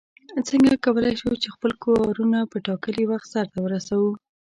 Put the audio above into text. څنگه کولای شو چې خپل کارونه په ټاکلي وخت سرته ورسوو؟